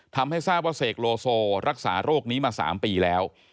ทำให้ทราบว่าเสกโลโซรักษาโรคนี้มา๓ปีแล้ว